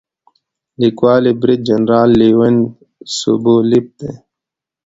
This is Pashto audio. لیکوال یې برید جنرال لیونید سوبولیف دی.